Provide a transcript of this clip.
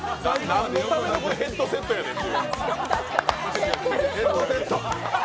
何のためのヘッドセットやねんって。